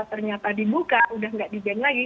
ternyata dibuka udah nggak di ban lagi